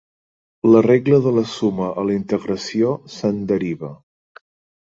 La regla de la suma a la integració se'n deriva.